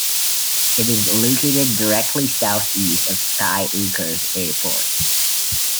It is located directly southeast of Sky Acres airport.